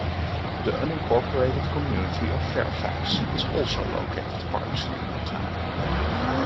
The unincorporated community of Fairfax is also located partially in the town.